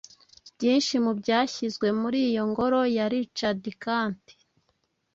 Byinshi mu byashyizwe muri iyo ngoro ya Richard Kandt